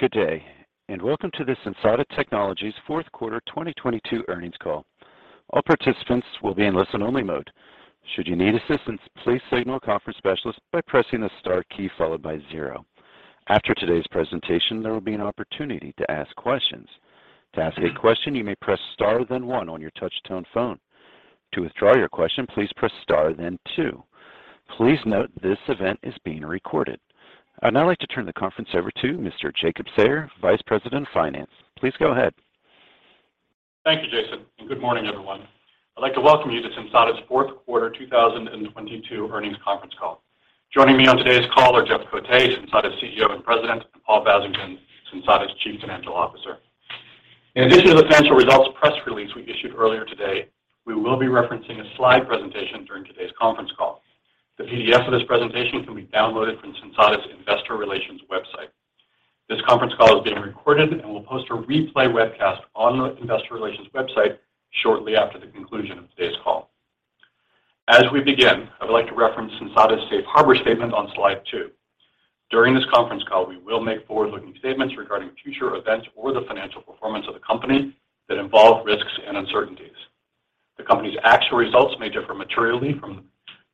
Good day, welcome to the Sensata Technologies fourth quarter 2022 earnings call. All participants will be in listen only mode. Should you need assistance, please signal a conference specialist by pressing the star followed by zero. After today's presentation, there will be an opportunity to ask questions. To ask a question, you may press star then one on your touch tone phone. To withdraw your question, please press star then two. Please note this event is being recorded. I'd now like to turn the conference over to Mr. Jacob Sayer, Vice President of Finance. Please go ahead. Thank you, Jason, and good morning, everyone. I'd like to welcome you to Sensata's fourth quarter 2022 earnings conference call. Joining me on today's call are Jeff Coté, Sensata's CEO and President, and Paul Vasington, Sensata's Chief Financial Officer. In addition to the financial results press release we issued earlier today, we will be referencing a slide presentation during today's conference call. The PDF of this presentation can be downloaded from Sensata's investor relations website. This conference call is being recorded, and we'll post a replay webcast on the investor relations website shortly after the conclusion of today's call. As we begin, I would like to reference Sensata's safe harbor statement on slide two. During this conference call, we will make forward-looking statements regarding future events or the financial performance of the company that involve risks and uncertainties. The company's actual results may differ materially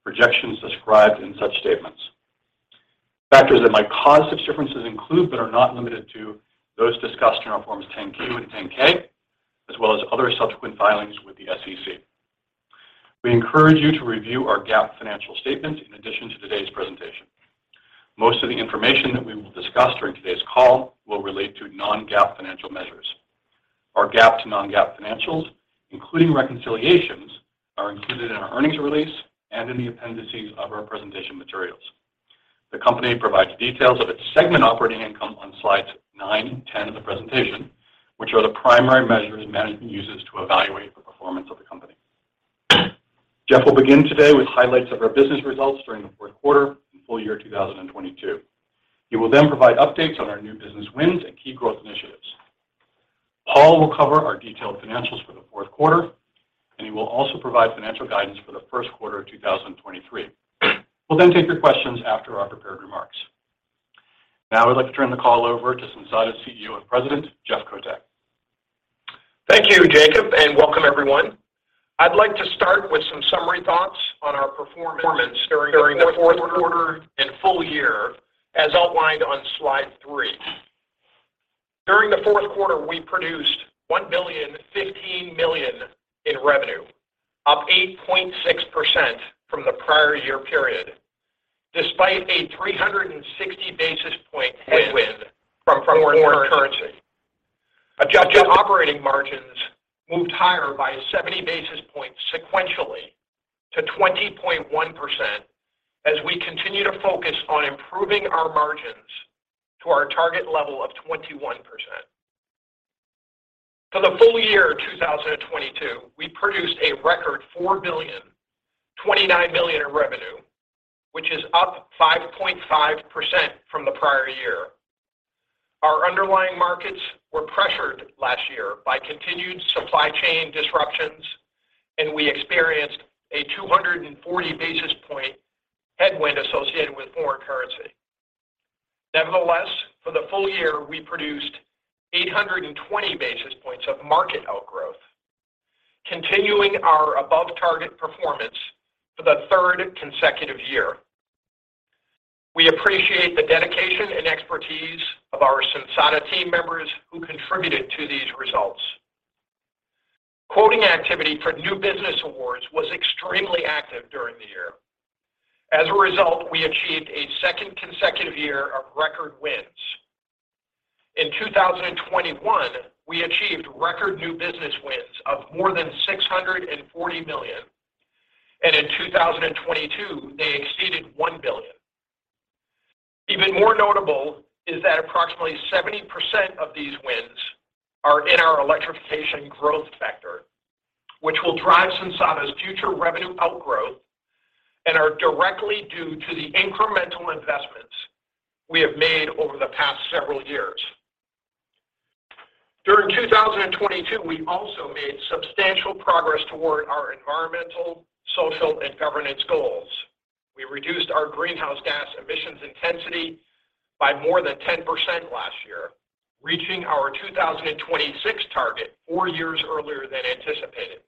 from projections described in such statements. Factors that might cause such differences include, but are not limited to, those discussed in our Forms 10-Q and 10-K, as well as other subsequent filings with the SEC. We encourage you to review our GAAP financial statements in addition to today's presentation. Most of the information that we will discuss during today's call will relate to non-GAAP financial measures. Our GAAP to non-GAAP financials, including reconciliations, are included in our earnings release and in the appendices of our presentation materials. The company provides details of its segment operating income on slides nine and 10 of the presentation, which are the primary measures management uses to evaluate the performance of the company. Jeff will begin today with highlights of our business results during the fourth quarter and full year 2022. He will then provide updates on our New Business Wins and key growth initiatives. Paul will cover our detailed financials for the fourth quarter, and he will also provide financial guidance for the first quarter of 2023. We'll then take your questions after our prepared remarks. I'd like to turn the call over to Sensata's CEO and President, Jeff Coté. Thank you, Jacob, and welcome everyone. I'd like to start with some summary thoughts on our performance during the fourth quarter and full year as outlined on slide three. During the fourth quarter, we produced $1 billion 15 million in revenue, up 8.6% from the prior year period, despite a 360 basis point headwind from foreign currency. Adjusted operating margins moved higher by 70 basis points sequentially to 20.1% as we continue to focus on improving our margins to our target level of 21%. For the full year of 2022, we produced a record $4 billion 29 million in revenue, which is up 5.5% from the prior year. Our underlying markets were pressured last year by continued supply chain disruptions, and we experienced a 240 basis points headwind associated with foreign currency. Nevertheless, for the full year, we produced 820 basis points of market outgrowth, continuing our above target performance for the third consecutive year. We appreciate the dedication and expertise of our Sensata team members who contributed to these results. Quoting activity for new business awards was extremely active during the year. As a result, we achieved a second consecutive year of record wins. In 2021, we achieved record new business wins of more than $640 million, and in 2022, they exceeded $1 billion. Even more notable is that approximately 70% of these wins are in our electrification growth sector, which will drive Sensata's future revenue outgrowth and are directly due to the incremental investments we have made over the past several years. During 2022, we also made substantial progress toward our environmental, social, and governance goals. We reduced our greenhouse gas emissions intensity by more than 10% last year, reaching our 2026 target four years earlier than anticipated.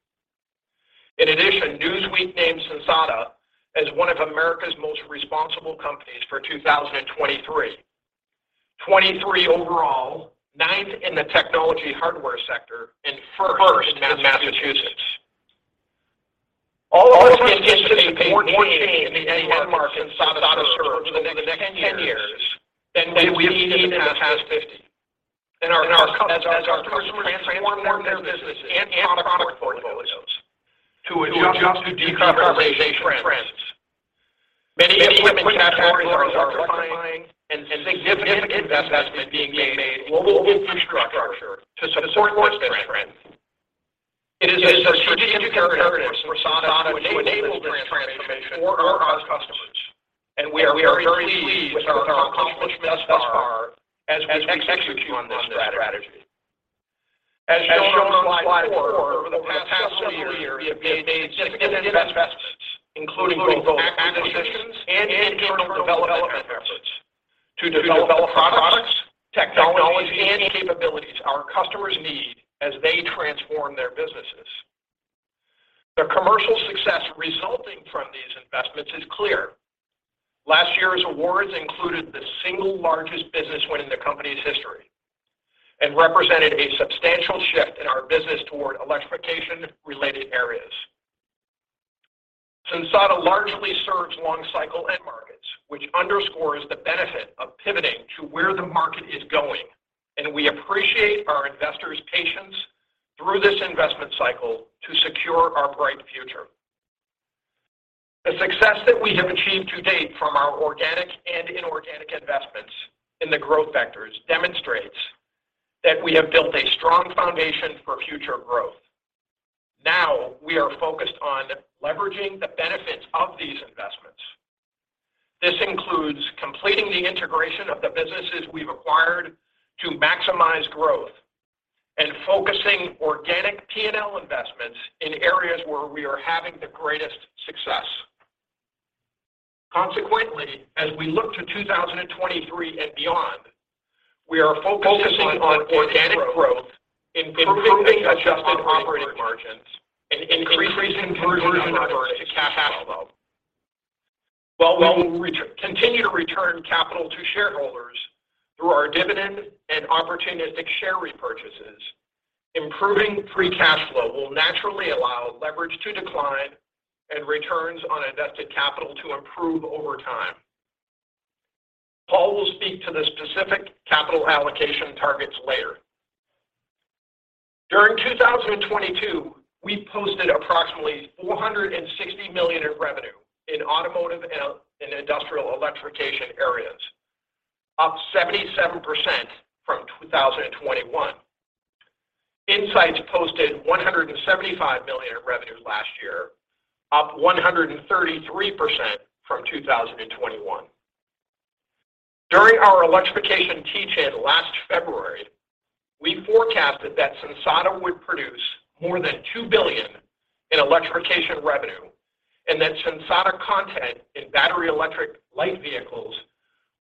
In addition, Newsweek named Sensata as one of America's most responsible companies for 2023. 23 overall, ninth in the technology hardware sector, and first in Massachusetts. All of our businesses have made gains in the markets Sensata serves over the next 10 years than we have seen in the past 50. As our customers transform their businesses and product portfolios to adjust to decarbonization trends. Many equipment categories are electrifying and significant investment being made in global infrastructure to support this trend. It is a strategic imperative for Sensata to enable this transformation for our customers, and we are very pleased with our accomplishments thus far as we execute on this strategy. As shown on slide four, over the past several years, we have made significant investments, including both acquisitions and internal development efforts to develop the products, technology, and capabilities our customers need as they transform their businesses. The commercial success resulting from these investments is clear. Last year's awards included the single largest business win in the company's history and represented a substantial shift in our business toward electrification-related areas. Sensata largely serves long cycle end markets, which underscores the benefit of pivoting to where the market is going. We appreciate our investors' patience through this investment cycle to secure our bright future. The success that we have achieved to date from our organic and inorganic investments in the growth vectors demonstrates that we have built a strong foundation for future growth. We are focused on leveraging the benefits of these investments. This includes completing the integration of the businesses we've acquired to maximize growth and focusing organic P&L investments in areas where we are having the greatest success. As we look to 2023 and beyond, we are focusing on organic growth, improving adjusted operating margins, and increasing conversion of earnings to cash flow. While we will continue to return capital to shareholders through our dividend and opportunistic share repurchases, improving free cash flow will naturally allow leverage to decline and returns on invested capital to improve over time. Paul will speak to the specific capital allocation targets later. During 2022, we posted approximately $460 million in revenue in automotive and industrial electrification areas, up 77% from 2021. Insights posted $175 million in revenues last year, up 133% from 2021. During our electrification teach-in last February, we forecasted that Sensata would produce more than $2 billion in electrification revenue, and that Sensata content in battery electric light vehicles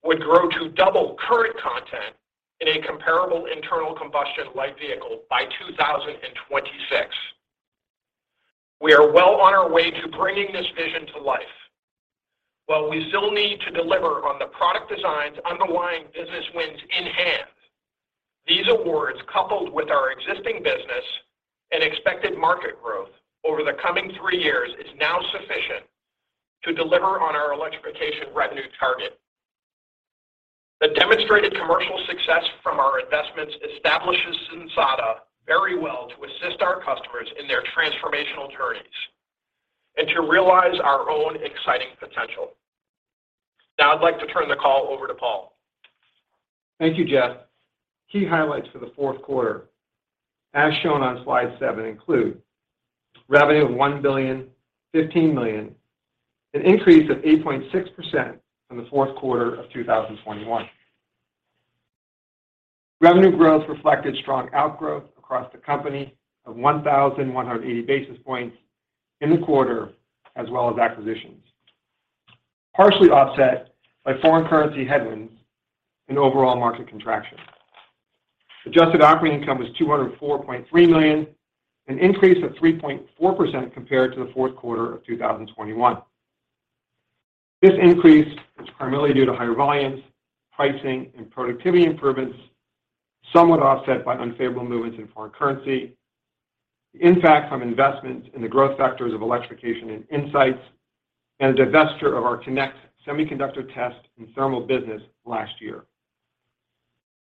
would grow to double current content in a comparable internal combustion light vehicle by 2026. We are well on our way to bringing this vision to life. While we still need to deliver on the product designs underlying business wins in hand, these awards, coupled with our existing business and expected market growth over the coming three years, is now sufficient to deliver on our electrification revenue target. The demonstrated commercial success from our investments establishes Sensata very well to assist our customers in their transformational journeys and to realize our own exciting potential. Now I'd like to turn the call over to Paul. Thank you, Jeff. Key highlights for the fourth quarter, as shown on slide seven, include revenue of $1.015 billion, an increase of 8.6% from the fourth quarter of 2021. Revenue growth reflected strong outgrowth across the company of 1,180 basis points in the quarter, as well as acquisitions, partially offset by foreign currency headwinds and overall market contraction. Adjusted operating income was $204.3 million, an increase of 3.4% compared to the fourth quarter of 2021. This increase was primarily due to higher volumes, pricing, and productivity improvements, somewhat offset by unfavorable movements in foreign currency, the impact from investments in the growth factors of electrification and Insights, and the divesture of our semiconductor test and thermal business last year.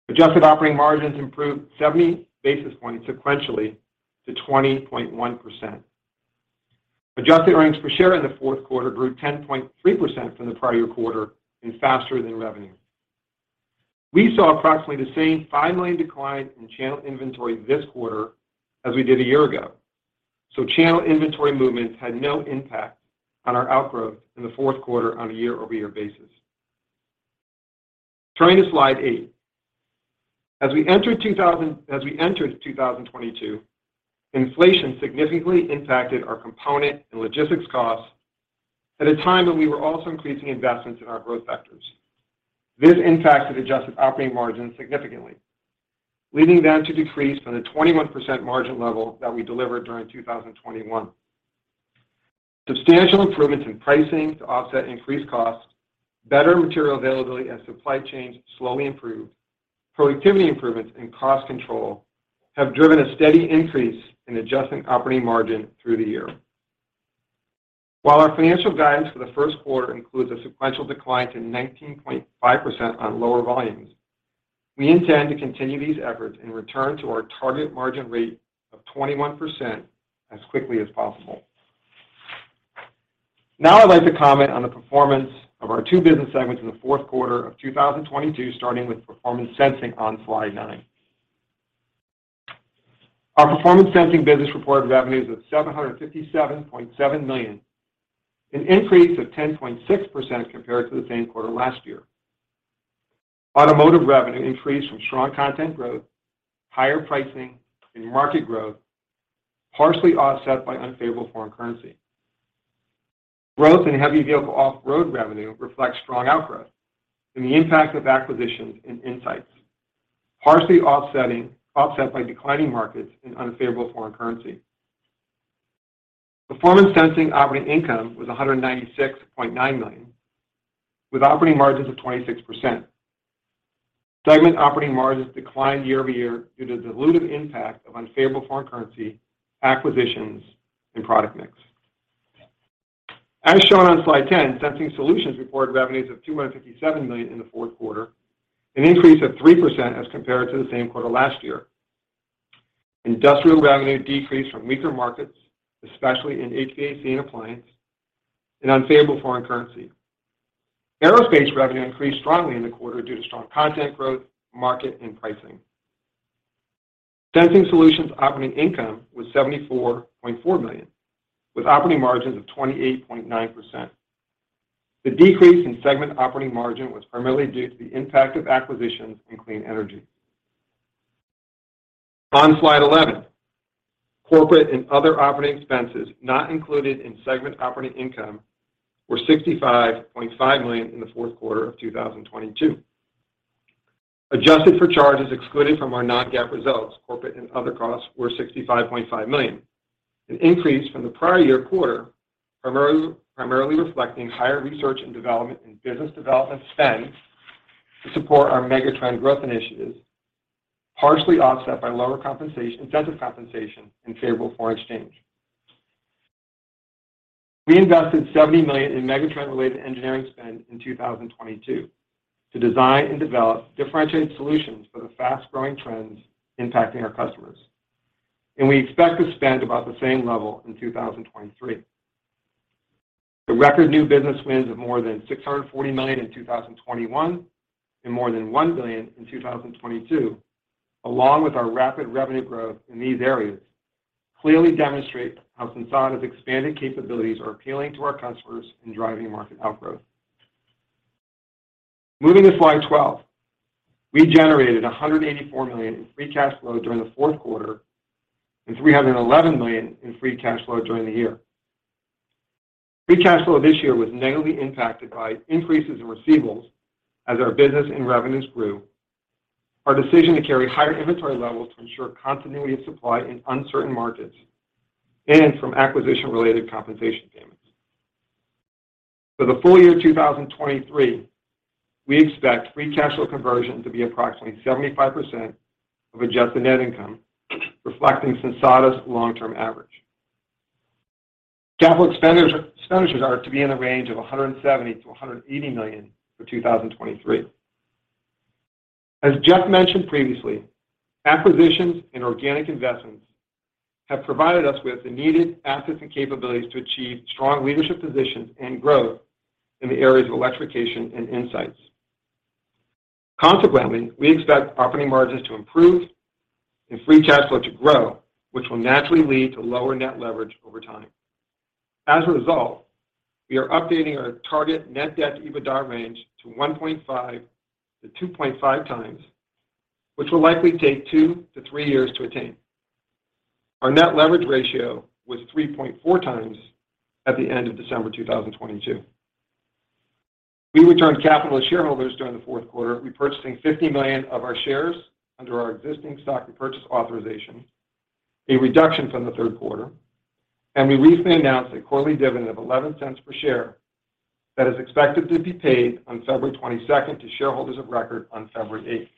Adjusted operating margins improved 70 basis points sequentially to 20.1%. Adjusted earnings per share in the fourth quarter grew 10.3% from the prior quarter and faster than revenue. We saw approximately the same $5 million decline in channel inventory this quarter as we did a year ago, so channel inventory movements had no impact on our outgrowth in the fourth quarter on a year-over-year basis. Turning to slide eight. As we entered 2022, inflation significantly impacted our component and logistics costs at a time when we were also increasing investments in our growth vectors. This impacted adjusted operating margins significantly, leading them to decrease from the 21% margin level that we delivered during 2021. Substantial improvements in pricing to offset increased costs, better material availability as supply chains slowly improved, productivity improvements, and cost control have driven a steady increase in adjusted operating margin through the year. While our financial guidance for the first quarter includes a sequential decline to 19.5% on lower volumes, we intend to continue these efforts and return to our target margin rate of 21% as quickly as possible. Now I'd like to comment on the performance of our two business segments in the fourth quarter of 2022, starting with Performance Sensing on slide nine. Our Performance Sensing business reported revenues of $757.7 million, an increase of 10.6% compared to the same quarter last year. Automotive revenue increased from strong content growth, higher pricing and market growth, partially offset by unfavorable foreign currency. Growth in heavy vehicle off-road revenue reflects strong outgrowth and the impact of acquisitions and Insights, partially offset by declining markets and unfavorable foreign currency. Performance Sensing operating income was $196.9 million, with operating margins of 26%. Segment operating margins declined year-over-year due to dilutive impact of unfavorable foreign currency, acquisitions and product mix. As shown on slide 10, Sensing Solutions reported revenues of $257 million in the fourth quarter, an increase of 3% as compared to the same quarter last year. Industrial revenue decreased from weaker markets, especially in HVAC and appliance and unfavorable foreign currency. Aerospace revenue increased strongly in the quarter due to strong content growth, market and pricing. Sensing Solutions operating income was $74.4 million, with operating margins of 28.9%. The decrease in segment operating margin was primarily due to the impact of acquisitions and clean energy. On slide 11, corporate and other operating expenses not included in segment operating income were $65.5 million in the fourth quarter of 2022. Adjusted for charges excluded from our non-GAAP results, corporate and other costs were $65.5 million, an increase from the prior year quarter, primarily reflecting higher research and development and business development spend to support our megatrend growth initiatives, partially offset by lower incentive compensation and favorable foreign exchange. We invested $70 million in megatrend-related engineering spend in 2022 to design and develop differentiated solutions for the fast-growing trends impacting our customers. We expect to spend about the same level in 2023. The record new business wins of more than $640 million in 2021 and more than $1 billion in 2022, along with our rapid revenue growth in these areas, clearly demonstrate how Sensata's expanded capabilities are appealing to our customers and driving market outgrowth. Moving to slide 12. We generated $184 million in free cash flow during the fourth quarter and $311 million in free cash flow during the year. Free cash flow this year was negatively impacted by increases in receivables as our business and revenues grew. Our decision to carry higher inventory levels to ensure continuity of supply in uncertain markets and from acquisition-related compensation payments. For the full year 2023, we expect free cash flow conversion to be approximately 75% of adjusted net income, reflecting Sensata's long-term average. Capital expenditures are to be in the range of $170 million-$180 million for 2023. As Jeff mentioned previously, acquisitions and organic investments have provided us with the needed assets and capabilities to achieve strong leadership positions and growth in the areas of electrification and Insights. We expect operating margins to improve and free cash flow to grow, which will naturally lead to lower net leverage over time. As a result, we are updating our target net debt to EBITDA range to 1.5x-2.5x, which will likely take two to three years to attain. Our net leverage ratio was 3.4x at the end of December 2022. We returned capital to shareholders during the fourth quarter, repurchasing $50 million of our shares under our existing stock repurchase authorization, a reduction from the third quarter. We recently announced a quarterly dividend of $0.11 per share that is expected to be paid on February twenty-second to shareholders of record on February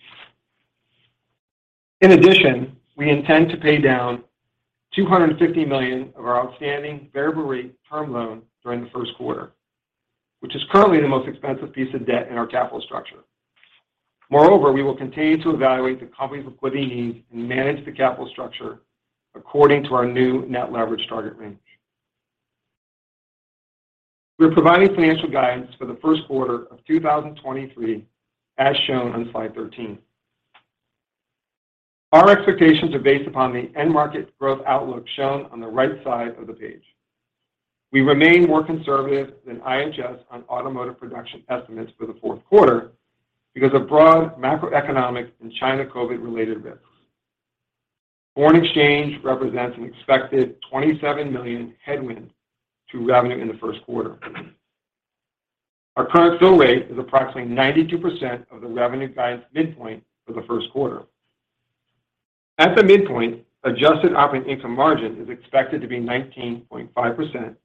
eighth. We intend to pay down $250 million of our outstanding variable-rate term loan during the first quarter, which is currently the most expensive piece of debt in our capital structure. We will continue to evaluate the company's liquidity needs and manage the capital structure according to our new net leverage target range. We're providing financial guidance for the first quarter of 2023 as shown on slide 13. Our expectations are based upon the end market growth outlook shown on the right side of the page. We remain more conservative than IHS on automotive production estimates for the fourth quarter because of broad macroeconomic and China COVID-related risks. Foreign exchange represents an expected $27 million headwind to revenue in the first quarter. Our current fill rate is approximately 92% of the revenue guidance midpoint for the first quarter. At the midpoint, adjusted operating income margin is expected to be 19.5%,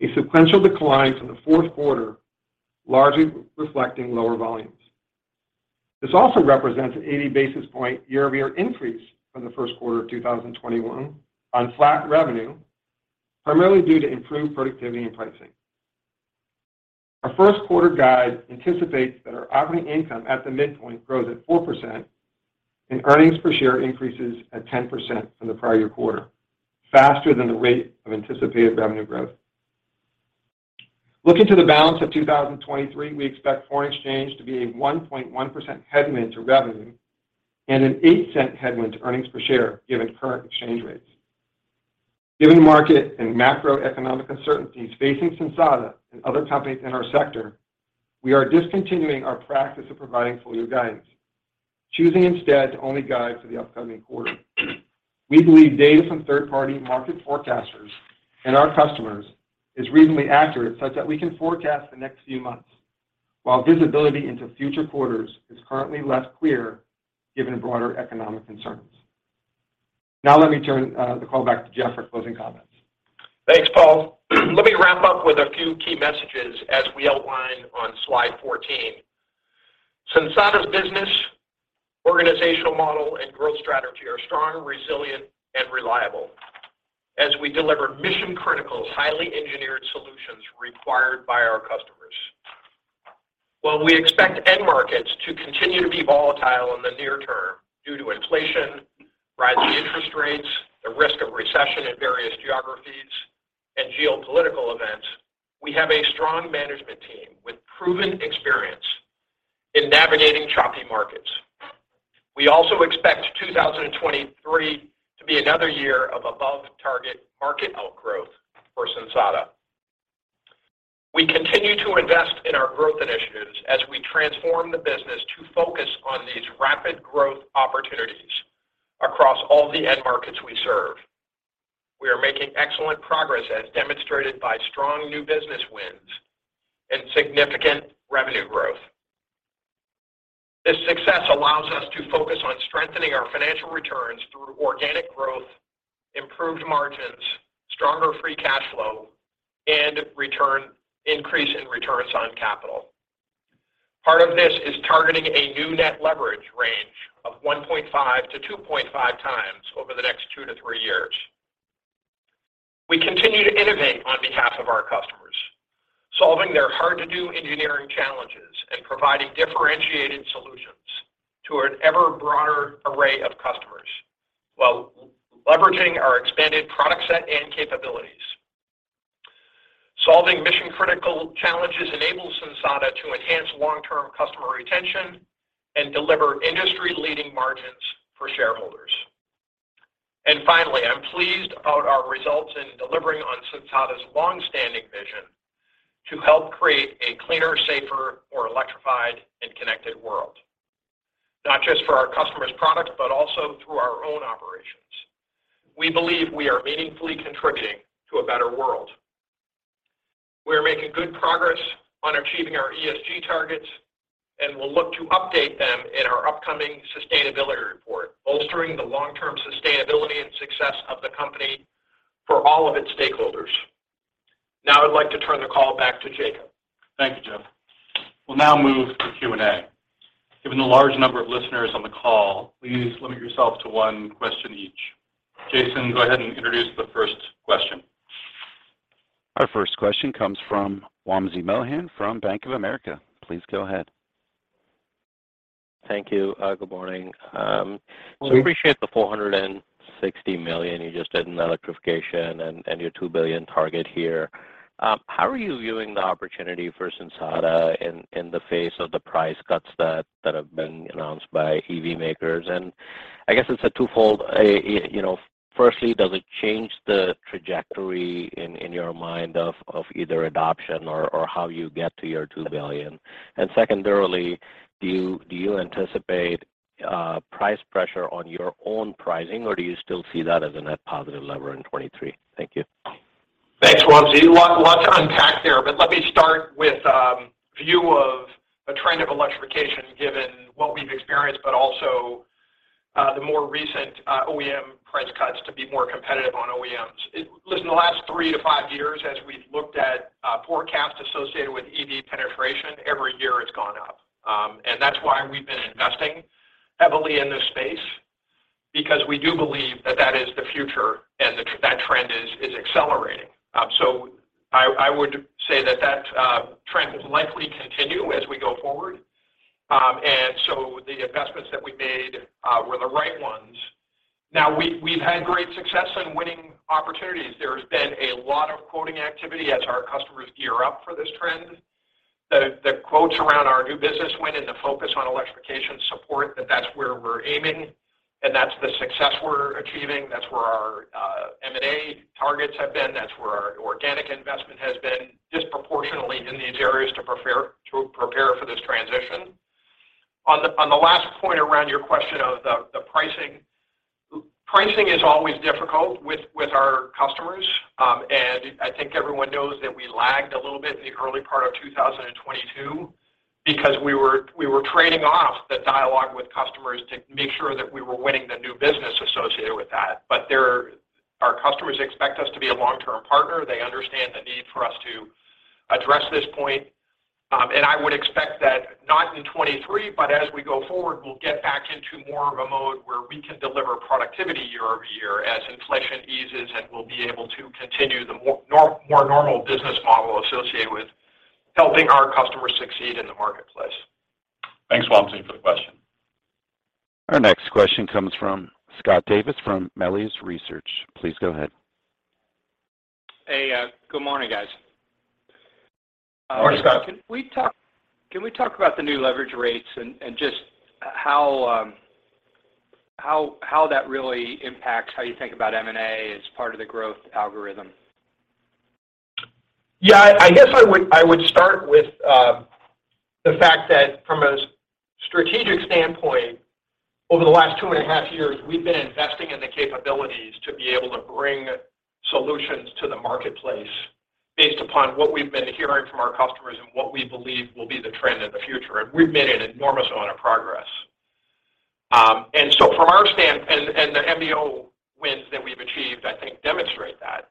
a sequential decline from the fourth quarter, largely reflecting lower volumes. This also represents an 80 basis point year-over-year increase from the first quarter of 2021 on flat revenue, primarily due to improved productivity and pricing. Our first quarter guide anticipates that our operating income at the midpoint grows at 4% and earnings per share increases at 10% from the prior year quarter, faster than the rate of anticipated revenue growth. Looking to the balance of 2023, we expect foreign exchange to be a 1.1% headwind to revenue and an $0.08 headwind to earnings per share, given current exchange rates. Given market and macroeconomic uncertainties facing Sensata and other companies in our sector, we are discontinuing our practice of providing full year guidance, choosing instead to only guide for the upcoming quarter. We believe data from third-party market forecasters and our customers is reasonably accurate such that we can forecast the next few months, while visibility into future quarters is currently less clear given the broader economic concerns. Now let me turn the call back to Jeff for closing comments. Thanks, Paul. Let me wrap up with a few key messages as we outline on slide 14. Sensata's business, organizational model, and growth strategy are strong, resilient, and reliable as we deliver mission-critical, highly engineered solutions required by our customers. While we expect end markets to continue to be volatile in the near term due to inflation, rising interest rates, the risk of recession in various geographies, and geopolitical events, we have a strong management team with proven experience in navigating choppy markets. We also expect 2023 to be another year of above-target market outgrowth for Sensata. We continue to invest in our growth initiatives as we transform the business to focus on these rapid growth opportunities across all the end markets we serve. We are making excellent progress as demonstrated by strong New Business Wins and significant revenue growth. This success allows us to focus on strengthening our financial returns through organic growth, improved margins, stronger free cash flow, and increase in returns on capital. Part of this is targeting a new net leverage range of 1.5x-2.5x over the next two to thre years. We continue to innovate on behalf of our customers, solving their hard-to-do engineering challenges and providing differentiated solutions to an ever broader array of customers while leveraging our expanded product set and capabilities. Solving mission-critical challenges enables Sensata to enhance long-term customer retention and deliver industry-leading margins for shareholders. Finally, I'm pleased about our results in delivering on Sensata's longstanding vision to help create a cleaner, safer, more electrified, and connected world, not just for our customers' products, but also through our own operations. We believe we are meaningfully contributing to a better world. We are making good progress on achieving our ESG targets, and we'll look to update them in our upcoming sustainability report, bolstering the long-term sustainability and success of the company for all of its stakeholders. Now I'd like to turn the call back to Jacob. Thank you, Jeff. We'll now move to Q&A. Given the large number of listeners on the call, please limit yourself to one question each. Jason, go ahead and introduce the first question. Our first question comes from Wamsi Mohan from Bank of America. Please go ahead. Thank you. Good morning. We appreciate the $460 million you just did in electrification and your $2 billion target here. How are you viewing the opportunity for Sensata in the face of the price cuts that have been announced by EV makers? I guess it's a twofold. You know, firstly, does it change the trajectory in your mind of either adoption or how you get to your $2 billion? Secondarily, do you, do you anticipate price pressure on your own pricing, or do you still see that as a net positive lever in 2023? Thank you. Thanks, Wamsi. Lots to unpack there, but let me start with view of a trend of electrification given what we've experienced, but also the more recent OEM price cuts to be more competitive on OEMs. Listen, the last three to five years as we've looked at forecasts associated with EV penetration, every year it's gone up. That's why we've been investing heavily in this space because we do believe that that is the future, and that trend is accelerating. I would say that that trend will likely continue as we go forward. The investments that we made were the right ones. Now we've had great success in winning opportunities. There has been a lot of quoting activity as our customers gear up for this trend. The quotes around our New Business Win and the focus on electrification support that that's where we're aiming, and that's the success we're achieving. That's where our M&A targets have been. That's where our organic investment has been, disproportionately in these areas to prepare for this transition. On the last point around your question of the pricing is always difficult with our customers. I think everyone knows that we lagged a little bit in the early part of 2022 because we were trading off the dialogue with customers to make sure that we were winning the new business associated with that. Our customers expect us to be a long-term partner. They understand the need for us to address this point. I would expect that not in 2023, but as we go forward, we'll get back into more of a mode where we can deliver productivity year-over-year as inflation eases, and we'll be able to continue the more normal business model associated with helping our customers succeed in the marketplace. Thanks, Wamsi, for the question. Our next question comes from Scott Davis from Melius Research. Please go ahead. Hey, good morning, guys. Scott, can we talk about the new leverage rates and just how that really impacts how you think about M&A as part of the growth algorithm? I guess I would start with the fact that from a strategic standpoint, over the last 2.5 years, we've been investing in the capabilities to be able to bring solutions to the marketplace based upon what we've been hearing from our customers and what we believe will be the trend in the future. We've made an enormous amount of progress. From our standpoint, and the NBO wins that we've achieved, I think, demonstrate that.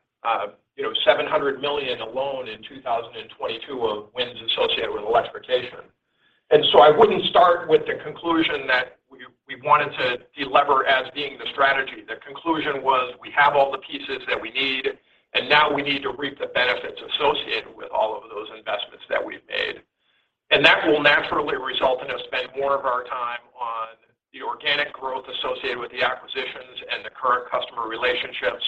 You know, $700 million alone in 2022 of wins associated with electrification. I wouldn't start with the conclusion that we wanted to delever as being the strategy. The conclusion was we have all the pieces that we need, and now we need to reap the benefits associated with all of those investments that we've made. That will naturally result in us spend more of our time on the organic growth associated with the acquisitions and the current customer relationships,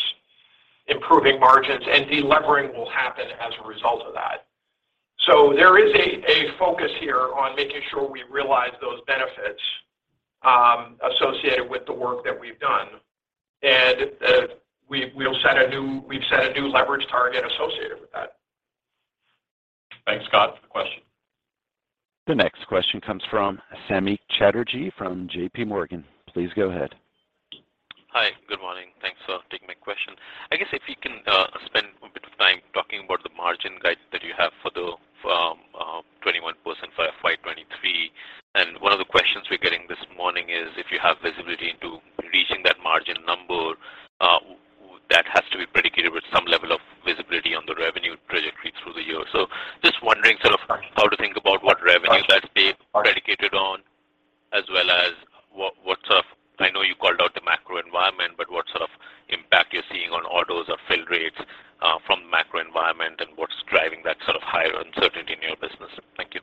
improving margins, and delevering will happen as a result of that. There is a focus here on making sure we realize those benefits associated with the work that we've done. We've set a new leverage target associated with that. Thanks, Scott, for the question. The next question comes from Samik Chatterjee from JPMorgan. Please go ahead. Hi. Good morning. Thanks for taking my question. I guess if you can spend a bit of time talking about the margin guide that you have for the 21% for FY 2023. One of the questions we're getting this morning is if you have visibility into reaching that margin number, that has to be predicated with some level of visibility on the revenue trajectory through the year. Just wondering sort of how to think about what revenue that's being predicated on as well as what sort of I know you called out the macro environment, but what sort of impact you're seeing on orders or fill rates from the macro environment and what's driving that sort of higher uncertainty in your business? Thank you.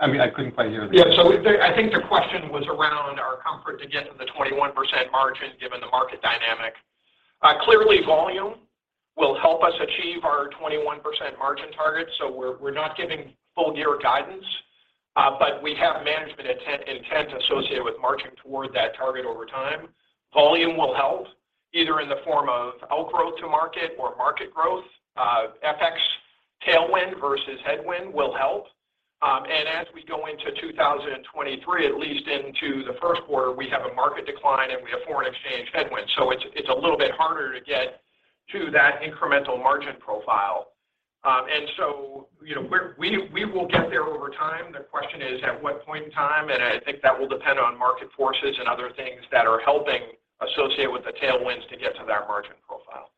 I mean, I couldn't quite hear the question. Yeah. I think the question was around our comfort to get to the 21% margin given the market dynamic. Clearly volume will help us achieve our 21% margin target. We're not giving full year guidance, but we have management intent associated with marching toward that target over time. Volume will help either in the form of outgrow to market or market growth. FX tailwind versus headwind will help. As we go into 2023, at least into the first quarter, we have a market decline, and we have foreign exchange headwind. It's a little bit harder to get to that incremental margin profile. You know, we will get there over time. The question is at what point in time, I think that will depend on market forces and other things that are helping associated with the tailwinds to get to that margin profile.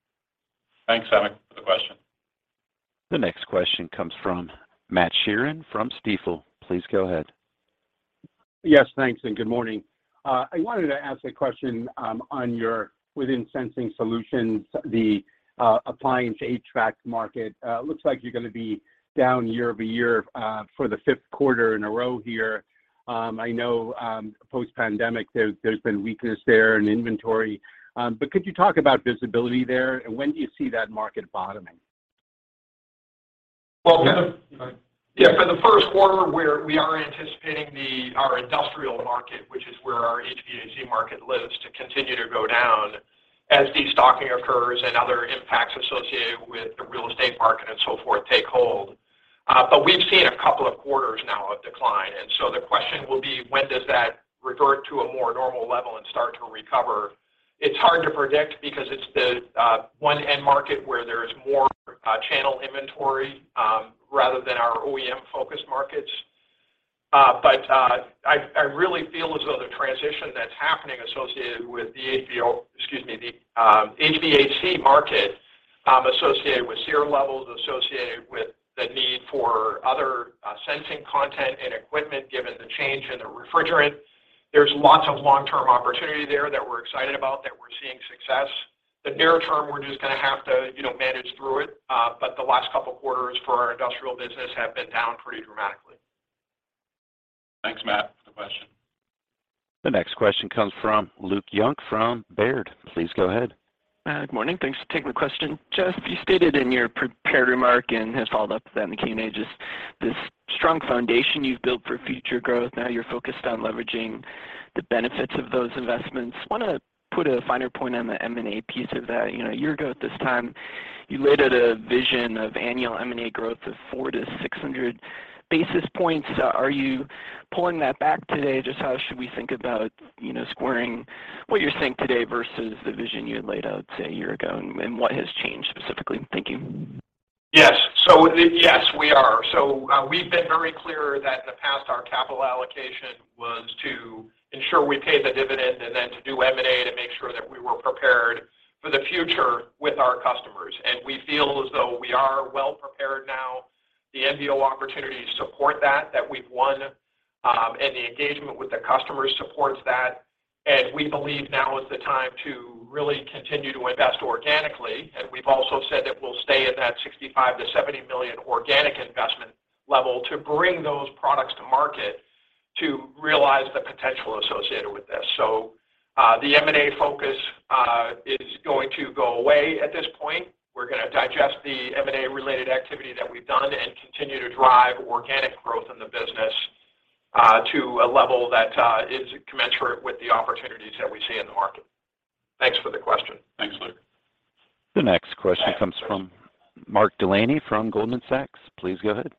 Thanks, Samik, for the question. The next question comes from Matt Sheerin from Stifel. Please go ahead. Yes, thanks, good morning. I wanted to ask a question on your within Sensing Solutions, the appliance HVAC market. Looks like you're gonna be down year-over-year for the fifth quarter in a row here. I know, post-pandemic, there's been weakness there in inventory. Could you talk about visibility there? When do you see that market bottoming? Well- You know. For the first quarter, we are anticipating our industrial market, which is where our HVAC market lives, to continue to go down as destocking occurs and other impacts associated with the real estate market and so forth take hold. We've seen a couple of quarters now of decline, so the question will be when does that revert to a more normal level and start to recover? It's hard to predict because it's the one end market where there is more channel inventory, rather than our OEM-focused markets. I really feel as though the transition that's happening associated with the HVAC, excuse me, the HVAC market, associated with SEER levels, associated with the need for other sensing content and equipment given the change in the refrigerant. There's lots of long-term opportunity there that we're excited about, that we're seeing success. The near term, we're just gonna have to, you know, manage through it. The last couple quarters for our industrial business have been down pretty dramatically. Thanks, Matt, for the question. The next question comes from Luke Junk from Baird. Please go ahead. Good morning. Thanks for taking the question. Jeff, you stated in your prepared remark and followed up with that in the Q&A, just this strong foundation you've built for future growth. Now you're focused on leveraging the benefits of those investments. Wanna put a finer point on the M&A piece of that. You know, a year ago at this time, you laid out a vision of annual M&A growth of 400 basis points-600 basis points. Are you pulling that back today? Just how should we think about, you know, squaring what you're saying today versus the vision you had laid out, say, a year ago? What has changed specifically? Thank you. Yes. Yes, we are. We've been very clear that in the past, our capital allocation was to ensure we paid the dividend and then to do M&A to make sure that we were prepared for the future with our customers. We feel as though we are well prepared now. The NBO opportunities support that we've won, and the engagement with the customers supports that. We believe now is the time to really continue to invest organically. We've also said that we'll stay at that $65 million-$70 million organic investment level to bring those products to market. To realize the potential associated with this. The M&A focus is going to go away at this point. We're gonna digest the M&A-related activity that we've done and continue to drive organic growth in the business to a level that is commensurate with the opportunities that we see in the market. Thanks for the question. Thanks, Luke. The next question comes from Mark Delaney from Goldman Sachs. Please go ahead.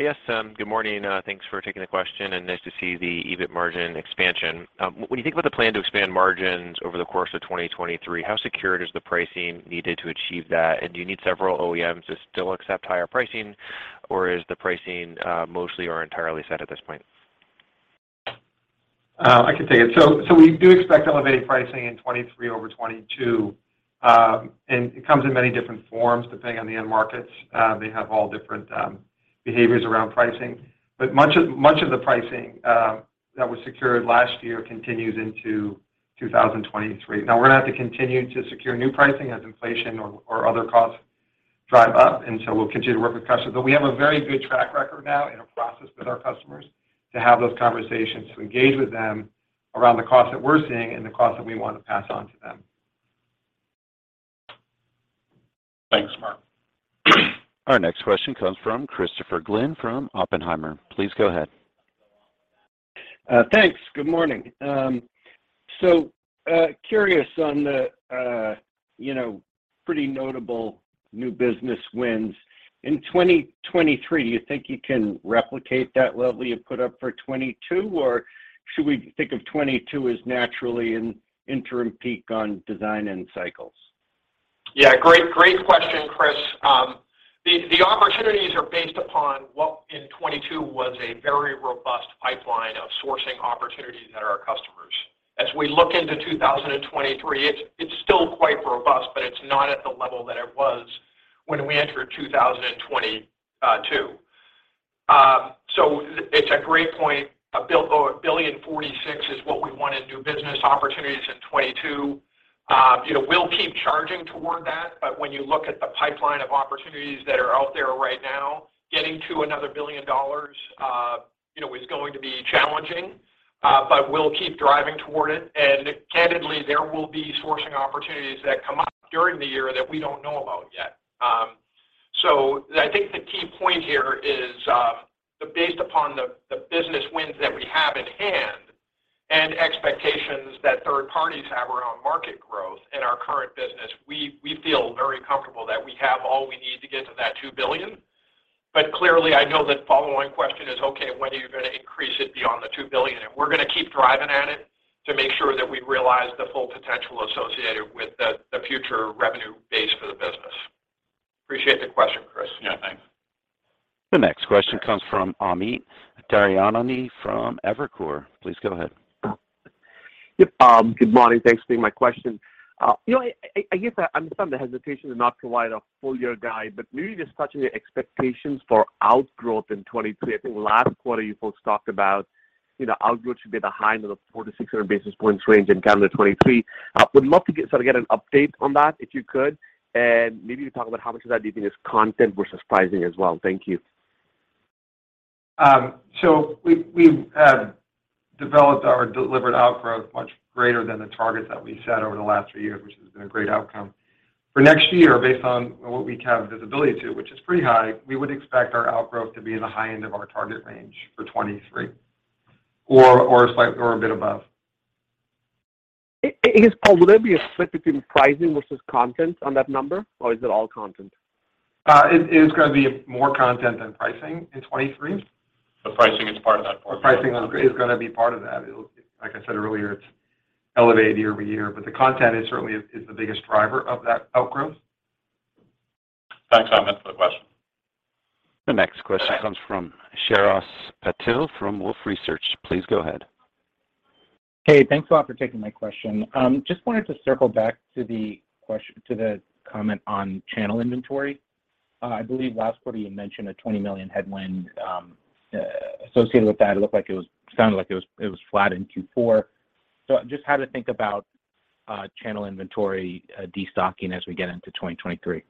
Yes, good morning. Thanks for taking the question, nice to see the EBIT margin expansion. When you think about the plan to expand margins over the course of 2023, how secure is the pricing needed to achieve that? Do you need several OEMs to still accept higher pricing, or is the pricing, mostly or entirely set at this point? I can take it. We do expect elevated pricing in 2023 over 2022. It comes in many different forms, depending on the end markets. They have all different behaviors around pricing. Much of the pricing that was secured last year continues into 2023. Now we're gonna have to continue to secure new pricing as inflation or other costs drive up, and so we'll continue to work with customers. We have a very good track record now in a process with our customers to have those conversations, to engage with them around the cost that we're seeing and the cost that we want to pass on to them. Thanks, Mark. Our next question comes from Christopher Glynn from Oppenheimer. Please go ahead. Thanks. Good morning. Curious on the, you know, pretty notable New Business Wins. In 2023, do you think you can replicate that level you put up for 2022, or should we think of 2022 as naturally an interim peak on design end cycles? Great, great question, Chris. The opportunities are based upon what in 2022 was a very robust pipeline of sourcing opportunities at our customers. As we look into 2023, it's still quite robust, but it's not at the level that it was when we entered 2022. It's a great point. $1.046 billion is what we won in New Business Opportunities in 2022. You know, we'll keep charging toward that, but when you look at the pipeline of opportunities that are out there right now, getting to another $1 billion, you know, is going to be challenging. But we'll keep driving toward it. Candidly, there will be sourcing opportunities that come up during the year that we don't know about yet. I think the key point here is based upon the business wins that we have in hand and expectations that third parties have around market growth in our current business, we feel very comfortable that we have all we need to get to that $2 billion. Clearly, I know that follow on question is, okay, when are you gonna increase it beyond the $2 billion? We're gonna keep driving at it to make sure that we realize the full potential associated with the future revenue base for the business. Appreciate the question, Chris. Yeah, thanks. The next question comes from Amit Daryanani from Evercore. Please go ahead. Yep. Good morning. Thanks for taking my question. You know, I guess I understand the hesitation to not provide a full year guide, but maybe just touching your expectations for outgrowth in 2023. I think last quarter, you folks talked about, you know, outgrowth should be the high end of the 400 basis points-600 basis points range in calendar 2023. Would love to sort of get an update on that, if you could. Maybe you talk about how much of that do you think is content versus pricing as well. Thank you. We've developed our delivered outgrowth much greater than the targets that we set over the last three years, which has been a great outcome. For next year, based on what we have visibility to, which is pretty high, we would expect our outgrowth to be in the high end of our target range for 2023 or a bit above. I guess, Paul, would there be a split between pricing versus content on that number, or is it all content? It is gonna be more content than pricing in 2023. Pricing is part of that. pricing is gonna be part of that. Like I said earlier, it's elevated year-over-year, but the content is certainly is the biggest driver of that outgrowth. Thanks, Amit, for the question. The next question comes from Shreyas Patil from Wolfe Research. Please go ahead. Hey, thanks a lot for taking my question. just wanted to circle back to the comment on channel inventory. I believe last quarter you mentioned a $20 million headwind associated with that. It sounded like it was flat in Q4. just how to think about channel inventory destocking as we get into 2023?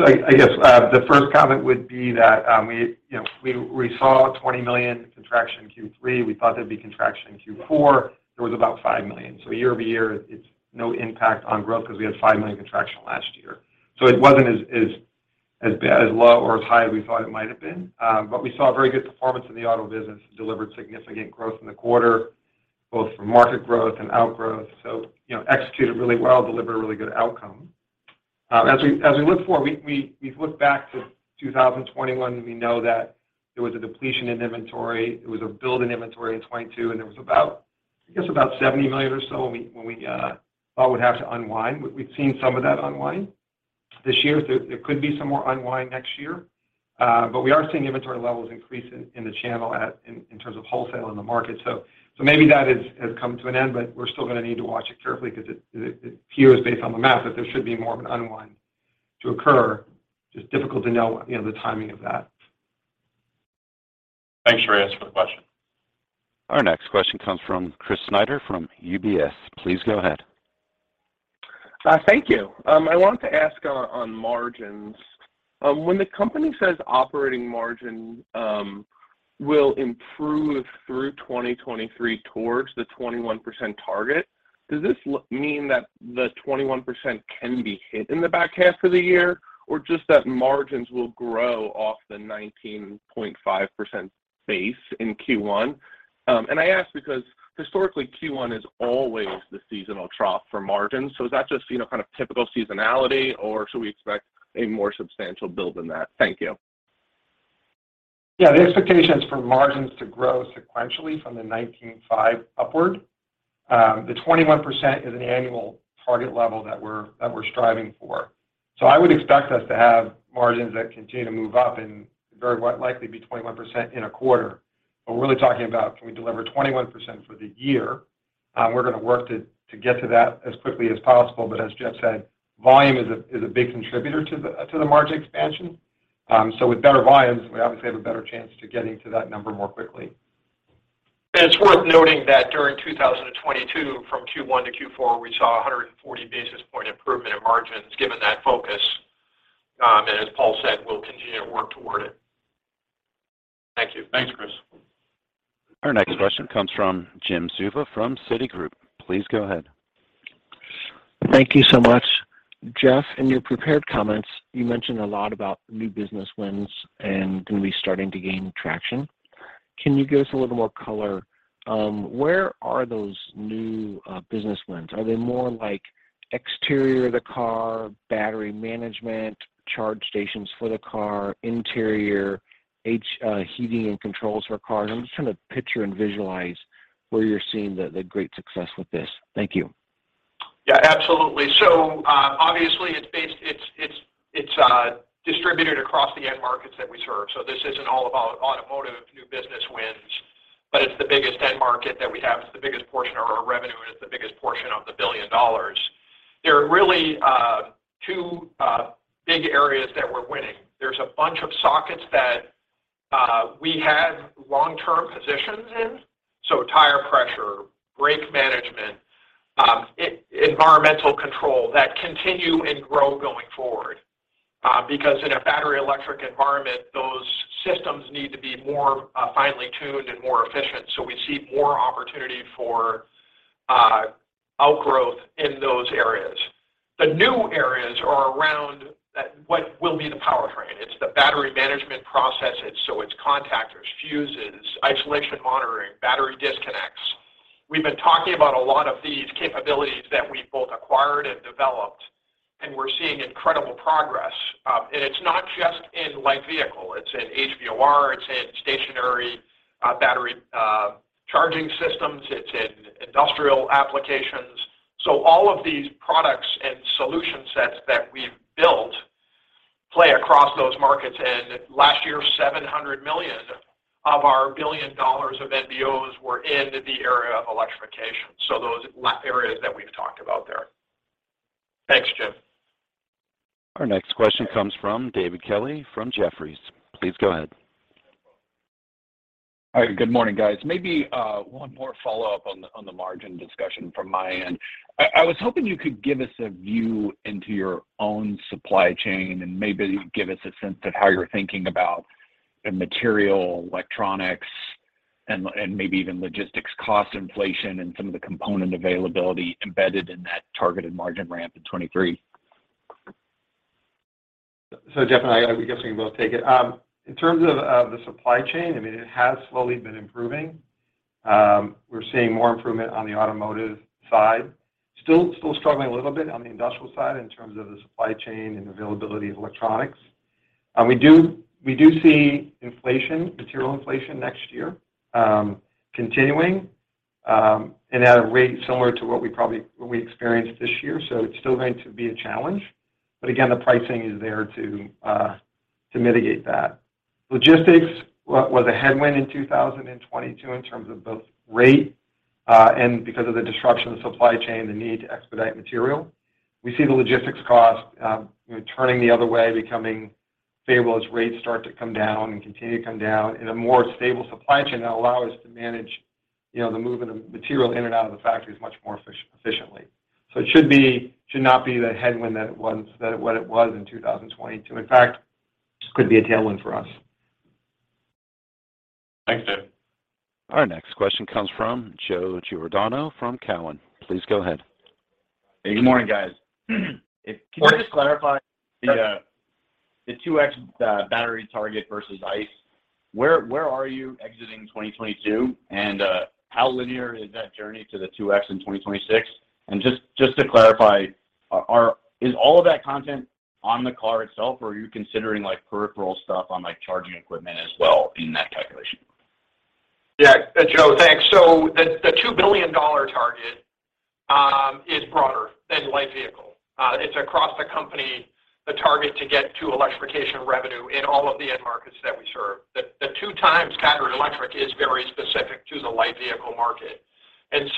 I guess, the first comment would be that, we, you know, we saw $20 million contraction in Q3. We thought there'd be contraction in Q4. There was about $5 million. Year-over-year, it's no impact on growth 'cause we had $5 million contraction last year. It wasn't as bad, as low or as high as we thought it might have been. We saw a very good performance in the auto business. Delivered significant growth in the quarter, both from market growth and outgrowth. You know, executed really well, delivered a really good outcome. As we look forward, we've looked back to 2021, we know that there was a depletion in inventory. There was a build in inventory in 2022. There was about $70 million or so when we thought we'd have to unwind. We've seen some of that unwind this year. There could be some more unwind next year. We are seeing inventory levels increase in the channel in terms of wholesale in the market. Maybe that has come to an end, we're still gonna need to watch it carefully 'cause it appears based on the math that there should be more of an unwind to occur. Just difficult to know the timing of that. Thanks, Shreyas, for the question. Our next question comes from Chris Snyder from UBS. Please go ahead. Thank you. I wanted to ask on margins. When the company says operating margin will improve through 2023 towards the 21% target, does this mean that the 21% can be hit in the back half of the year, or just that margins will grow off the 19.5% base in Q1? I ask because historically, Q1 is always the seasonal trough for margins. Is that just, you know, kind of typical seasonality, or should we expect a more substantial build than that? Thank you. Yeah. The expectation is for margins to grow sequentially from the 19.5% upward. The 21% is an annual target level that we're striving for. I would expect us to have margins that continue to move up and very likely be 21% in a quarter. We're really talking about can we deliver 21% for the year. We're gonna work to get to that as quickly as possible, but as Jeff said, volume is a big contributor to the margin expansion. With better volumes, we obviously have a better chance to getting to that number more quickly. It's worth noting that during 2022, from Q1 to Q4, we saw 140 basis point improvement in margins, given that focus. As Paul said, we'll continue to work toward it. Thank you. Thanks, Chris. Our next question comes from Jim Suva from Citigroup. Please go ahead. Thank you so much. Jeff, in your prepared comments, you mentioned a lot about New Business Wins and gonna be starting to gain traction. Can you give us a little more color, where are those New Business Wins? Are they more like exterior of the car, battery management, charge stations for the car, interior, heating and controls for cars? I'm just trying to picture and visualize where you're seeing the great success with this. Thank you. Absolutely. Obviously, it's distributed across the end markets that we serve. This isn't all about automotive New Business Wins, but it's the biggest end market that we have. It's the biggest portion of our revenue, and it's the biggest portion of the $1 billion. There are really two big areas that we're winning. There's a bunch of sockets that we have long-term positions in, so tire pressure, brake management, environmental control, that continue and grow going forward. Because in a battery electric environment, those systems need to be more finely tuned and more efficient, so we see more opportunity for outgrowth in those areas. The new areas are around what will be the powertrain. It's the battery management processes, so it's contactors, fuses, isolation monitoring, battery disconnects. We've been talking about a lot of these capabilities that we've both acquired and developed, and we're seeing incredible progress. It's not just in light vehicle. It's in HVOR. It's in stationary, battery, charging systems. It's in industrial applications. All of these products and solution sets that we've built play across those markets. Last year, $700 million of our $1 billion of NBOs were in the area of electrification, so those areas that we've talked about there. Thanks, Jim. Our next question comes from David Kelley from Jefferies. Please go ahead. Hi. Good morning, guys. Maybe, one more follow-up on the margin discussion from my end. I was hoping you could give us a view into your own supply chain and maybe give us a sense of how you're thinking about the material, electronics, and maybe even logistics cost inflation and some of the component availability embedded in that targeted margin ramp in 2023. Jeff and I'm guessing we'll both take it. In terms of the supply chain, I mean, it has slowly been improving. We're seeing more improvement on the automotive side. Still struggling a little bit on the industrial side in terms of the supply chain and availability of electronics. We do see inflation, material inflation next year, continuing, and at a rate similar to what we experienced this year, so it's still going to be a challenge. Again, the pricing is there to mitigate that. Logistics was a headwind in 2022 in terms of both rate, and because of the disruption of supply chain, the need to expedite material. We see the logistics cost, you know, turning the other way, becoming favorable as rates start to come down and continue to come down in a more stable supply chain that allow us to manage, you know, the movement of material in and out of the factories much more efficiently. It should not be the headwind that it was in 2022. In fact, could be a tailwind for us. Thanks, Dave. Our next question comes from Joe Giordano from Cowen. Please go ahead. Good morning, guys. Morning... can you just clarify the 2x battery target versus ICE? Where are you exiting 2022, and how linear is that journey to the 2x in 2026? just to clarify, is all of that content on the car itself, or are you considering, like, peripheral stuff on, like, charging equipment as well in that calculation? Yeah. Joe, thanks. The $2 billion target, is broader than light vehicle. It's across the company, the target to get to electrification revenue in all of the end markets that we serve. The 2x battery electric is very specific to the light vehicle market.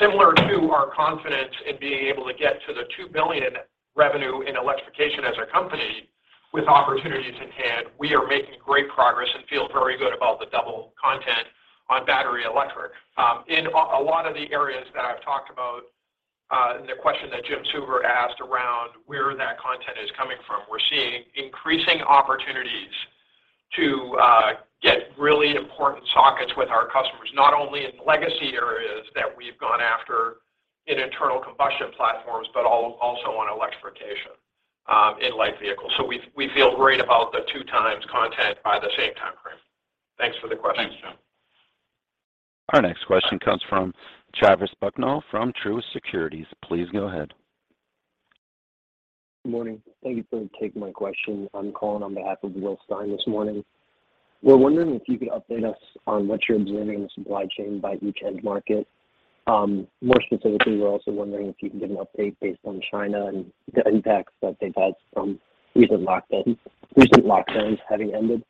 Similar to our confidence in being able to get to the $2 billion revenue in electrification as a company. With opportunities in hand, we are making great progress and feel very good about the double content on battery electric. In a lot of the areas that I've talked about, and the question that Jim Suva asked around where that content is coming from, we're seeing increasing opportunities to get really important sockets with our customers, not only in the legacy areas that we've gone after in internal combustion platforms, but also on electrification, in light vehicles. We feel great about the two times content by the same time frame. Thanks for the question. Thanks, Joe. Our next question comes from Travis Bucknall from Truist Securities. Please go ahead. Good morning. Thank you for taking my question. I'm calling on behalf of Will Stein this morning. We're wondering if you could update us on what you're observing in the supply chain by each end market. More specifically, we're also wondering if you can give an update based on China and the impacts that they've had from recent lockdowns, recent lockdowns having ended.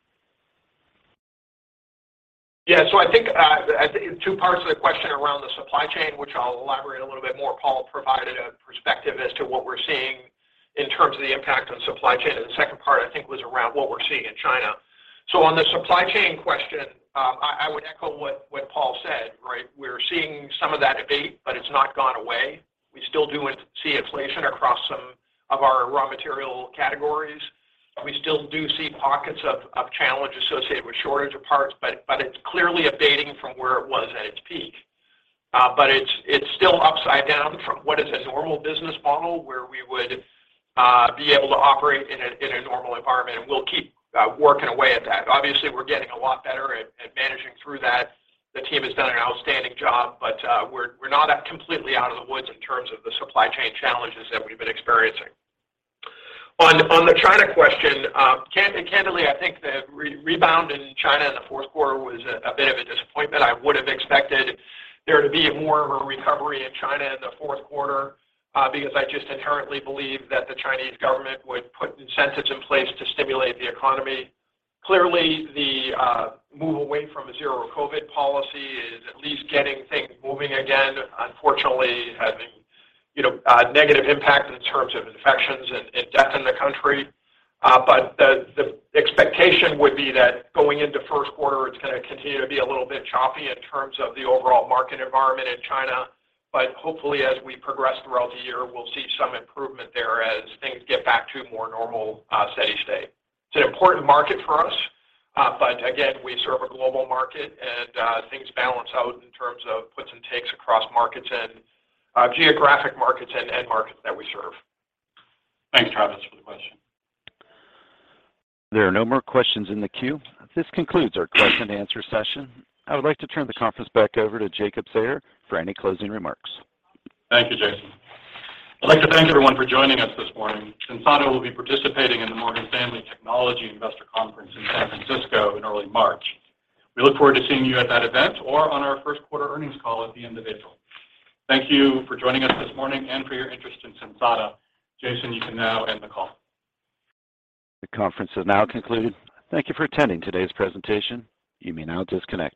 Yeah. I think two parts to the question around the supply chain, which I'll elaborate a little bit more. Paul provided a perspective as to what we're seeing in terms of the impact on supply chain. The second part, I think, was around what we're seeing in China. On the supply chain question, I would echo what Paul said, right? We're seeing some of that abate, but it's not gone away. We still do see inflation across some of our raw material categories. We still do see pockets of challenge associated with shortage of parts, but it's clearly abating from where it was at its peak. But it's still upside down from what is a normal business model, where we would be able to operate in a normal environment. We'll keep working away at that. Obviously, we're getting a lot better at managing through that. The team has done an outstanding job, but we're not completely out of the woods in terms of the supply chain challenges that we've been experiencing. On the China question, candidly, I think the rebound in China in the fourth quarter was a bit of a disappointment. I would have expected there to be more of a recovery in China in the fourth quarter because I just inherently believe that the Chinese government would put incentives in place to stimulate the economy. Clearly, the move away from a zero-COVID policy is at least getting things moving again, unfortunately, having, you know, a negative impact in terms of infections and death in the country. The expectation would be that going into first quarter, it's gonna continue to be a little bit choppy in terms of the overall market environment in China. Hopefully, as we progress throughout the year, we'll see some improvement there as things get back to a more normal, steady state. It's an important market for us. Again, we serve a global market, and things balance out in terms of puts and takes across markets and geographic markets and end markets that we serve. Thanks, Travis, for the question. There are no more questions in the queue. This concludes our question-and-answer session. I would like to turn the conference back over to Jacob Sayer for any closing remarks. Thank you, Jason. I'd like to thank everyone for joining us this morning. Sensata will be participating in the Morgan Stanley Technology Investor Conference in San Francisco in early March. We look forward to seeing you at that event or on our first quarter earnings call at the end of April. Thank you for joining us this morning and for your interest in Sensata. Jason, you can now end the call. The conference is now concluded. Thank you for attending today's presentation. You may now disconnect.